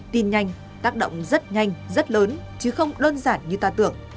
tin nhanh tác động rất nhanh rất lớn chứ không đơn giản như ta tưởng